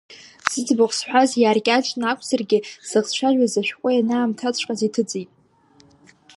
Зыӡбахә сҳәаз, иааркьаҿны акәзаргьы, сзыхцәажәаз, ашәҟәы ианаамҭаҵәҟьаз иҭыҵит.